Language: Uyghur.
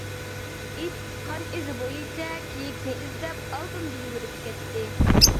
ئىت قان ئىزى بويىچە كېيىكنى ئىزدەپ ئالدىمدا يۈگۈرۈپ كەتتى.